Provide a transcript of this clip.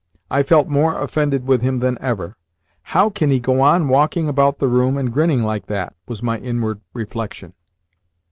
I felt more offended with him than ever. "How can he go on walking about the room and grinning like that?" was my inward reflection.